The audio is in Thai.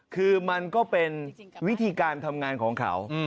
คือมันก็เป็นวิธีการทำงานของเขา